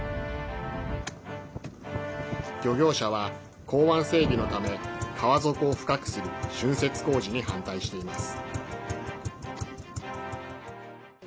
漁業者は港湾整備のため川底を深くする浚渫工事に反対しています。